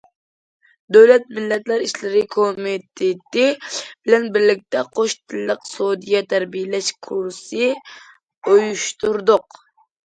دۆلەت مىللەتلەر ئىشلىرى كومىتېتى بىلەن بىرلىكتە قوش تىللىق سودىيە تەربىيەلەش كۇرسى ئۇيۇشتۇردۇق.